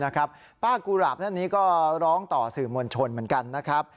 ป้ากุหลาบท่านนี้ก็ร้องต่อสื่อมวลชนเหมือนกันนะครับ